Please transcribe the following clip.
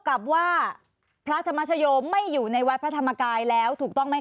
กับว่าพระธรรมชโยไม่อยู่ในวัดพระธรรมกายแล้วถูกต้องไหมค